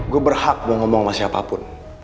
gue berhak mau ngomong sama siapapun